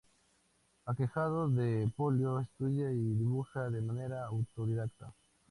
Aquejado de polio, estudia y dibuja de manera autodidacta.